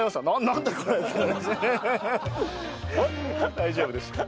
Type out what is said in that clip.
大丈夫でした。